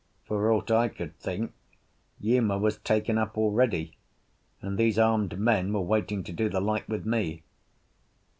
For aught I could think, Uma was taken up already, and these armed men were waiting to do the like with me.